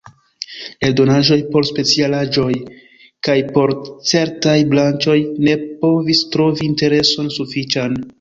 Eldonaĵoj por specialaĵoj kaj por certaj branĉoj ne povis trovi intereson sufiĉan.